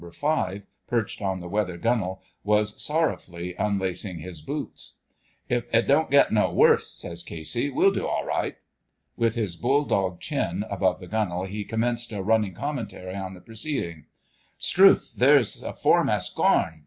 5, perched on the weather gunwale, was sorrowfully unlacing his boots. "If it don't get no worse," says Casey, "we'll do all right." With his bull dog chin above the gunwale he commenced a running commentary on the proceedings. "... 'Strewth! There's 'is foremast gorn!"